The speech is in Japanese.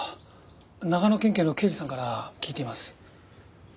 長野県警の刑事さんから聞いています。